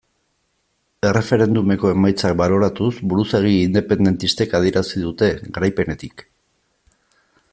Erreferendumeko emaitzak baloratuz buruzagi independentistek adierazi dute, garaipenetik.